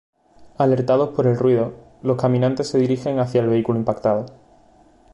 Alertados por el ruido, los caminantes se dirigen hacia el vehículo impactado.